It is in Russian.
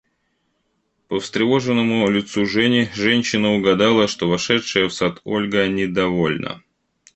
По встревоженному лицу Жени женщина угадала, что вошедшая в сад Ольга недовольна.